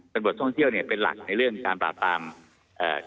เป็นบทท่องเที่ยวเนี่ยเป็นหลักในเรื่องการปราบปรามเอ่อ